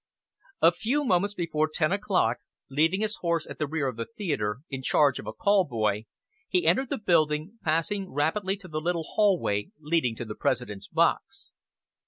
A few moments before ten o'clock, leaving his horse at the rear of the theatre, in charge of a call boy, he entered the building, passing rapidly to the little hallway leading to the President's box.